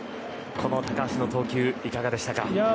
この高橋の投球いかがでしたか。